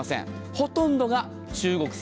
ほとんどが中国産。